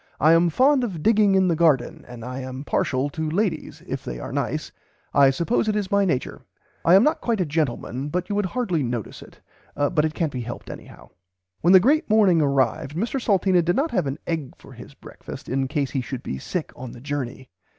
I am fond of digging in the garden and I am parshal to ladies if they are nice I suppose it is my nature. I am not quite a gentleman but you would hardly notice it but can't be helped anyhow." [Pg xii] "When the great morning arrived Mr Salteena did not have an egg for his breakfast in case he should be sick on the journey."